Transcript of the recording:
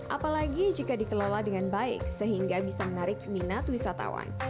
apalagi jika dikelola dengan baik sehingga bisa menarik minat wisatawan